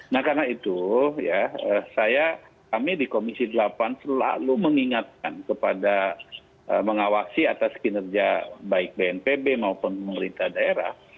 nah karena itu ya saya kami di komisi delapan selalu mengingatkan kepada mengawasi atas kinerja baik bnpb maupun pemerintah daerah